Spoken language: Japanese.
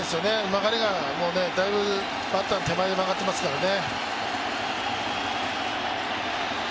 曲がりがだいぶバッターの手前で曲がってますからね。